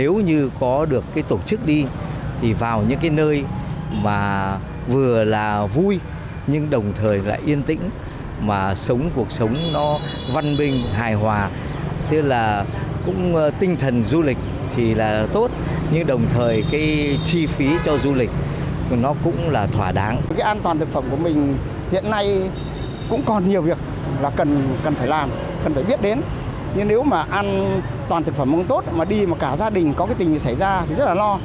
ăn toàn thực phẩm mong tốt mà đi mà cả gia đình có cái tình hình xảy ra thì rất là lo